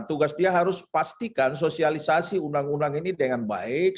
tugas dia harus pastikan sosialisasi undang undang ini dengan baik